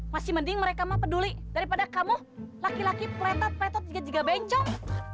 masih mending mereka mah peduli daripada kamu laki laki pletot pletot juga bencong